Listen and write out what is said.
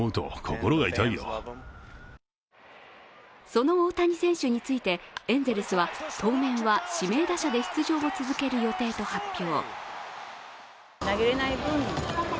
その大谷選手について、エンゼルスは当面は指名打者で出場を続ける予定と発表。